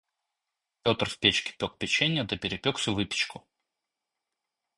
Петр в печке пёк печенье, да перепёк всю выпечку.